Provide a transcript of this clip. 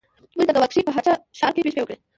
موږ د ګوانګ شي په هه چه ښار کې دوې شپې وکړې.